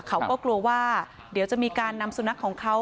เขาก็กลัวว่าเดี๋ยวจะมีการนำสุนัขของเขา